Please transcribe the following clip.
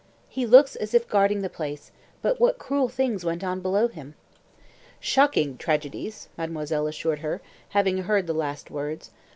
"He looks as if guarding the place; but what cruel things went on below him." "Shocking tragedies!" mademoiselle assured her, having heard the last words.